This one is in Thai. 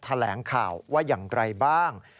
แถลงข่าวว่าอย่างไรบ้าง